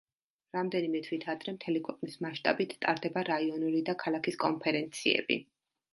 რამდენიმე თვით ადრე, მთელი ქვეყნის მასშტაბით ტარდება რაიონული და ქალაქის კონფერენციები.